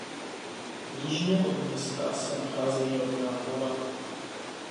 Jižně od města se nacházejí ropná pole.